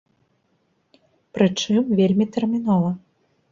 Пры чым, вельмі тэрмінова.